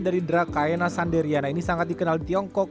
dari drakaena sanderiana ini sangat dikenal di tiongkok